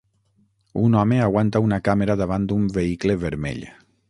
Un home aguanta una càmera davant d'un vehicle vermell.